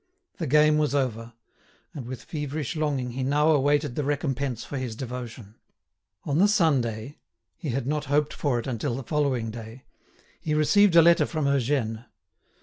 The game was over; and with feverish longing he now awaited the recompense for his devotion. On the Sunday—he had not hoped for it until the following day—he received a letter from Eugène.